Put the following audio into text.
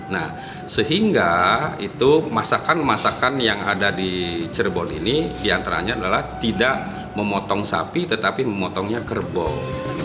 nah sehingga itu masakan masakan yang ada di cirebon ini diantaranya adalah tidak memotong sapi tetapi memotongnya kerbau